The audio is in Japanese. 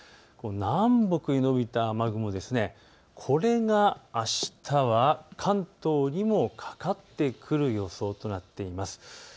南北へ延びた雨雲、これがあしたは関東にもかかってくる予想となっています。